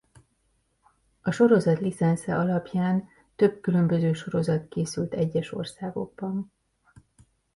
A sorozat licence alapján több különböző sorozat készült egyes országokban.